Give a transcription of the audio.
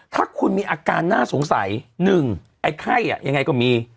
ถ้าคุณมีอาการน่าสงสัย๑ไอ้ไข้ยังไงก็มี